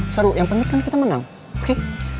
seru yang penting kan kita menang oke